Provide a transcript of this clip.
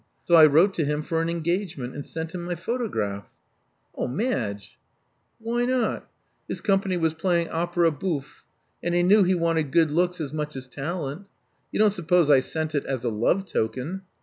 So I wrote to him for an engagement, and sent him my photograph." 0h Madge!" Why not? His company was playing opera bouife ; and I knew he wanted good looks as much as talent. You don't suppose I sent it as a love token.